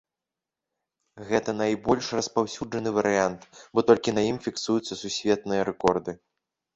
Гэта найбольш распаўсюджаны варыянт, бо толькі на ім фіксуюцца сусветныя рэкорды.